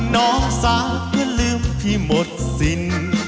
น้องสาวก็ลืมที่หมดสิน